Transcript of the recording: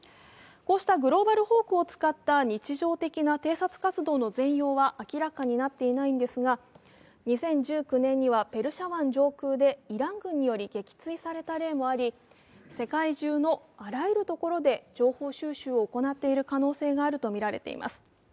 こうしたグローバルホークを使った日常的な偵察活動の全容は明らかになっていないんですが２０１９年にはペルシャ湾上空でイラン軍により撃墜された例もあり世界中のあらゆるところで情報収集を行っている可能性があるとみられています。